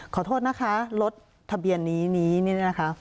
ขอโทษนะคะรถทะเบียนนี้นี้นะคะ